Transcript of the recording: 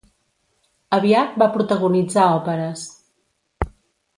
Aviat va protagonitzar òperes.